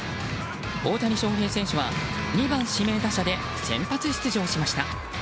大谷翔平選手は２番指名打者で先発出場しました。